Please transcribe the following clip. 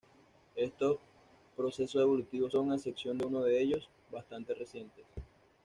Estos procesos evolutivos son, a excepción de uno de ellos, bastante recientes.